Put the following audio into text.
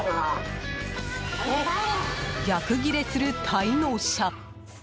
逆ギレする滞納者。